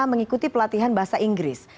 mengikuti pelatihan bahasa inggris